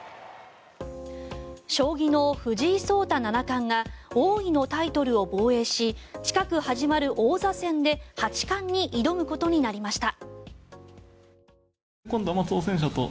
将棋の藤井聡太七冠が王位のタイトルを防衛し近く始まる王座戦で八冠に挑むことになりました。